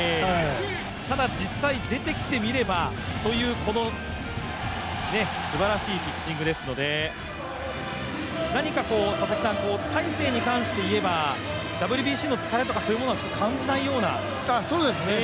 ただ実際、出てきてみれば、というこのすばらしいピッチングですので何か大勢に関していえば、ＷＢＣの疲れとかそういうものは感じないような。